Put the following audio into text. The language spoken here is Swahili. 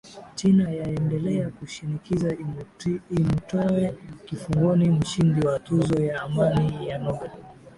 china ya endelea kushinikiza imutoe kifungoni mshindi wa tuzo ya amani ya nobel